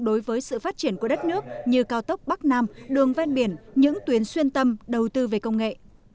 đối với sự phát triển của đất nước như cao tốc bắc nam đường ven biển những tuyến xuyên tâm đầu tư về công nghệ